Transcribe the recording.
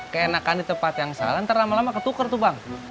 keenakan di tempat yang salah ntar lama lama ketukar tuh bang